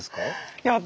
いや私